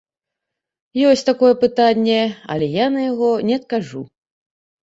Ёсць такое пытанне, але я на яго не адкажу.